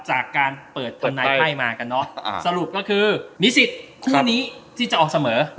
จากการเปิดตัวนายไพ่มากันเนอะสรุปก็คือมีสิทธิ์คู่นี้ที่จะออกเสมอ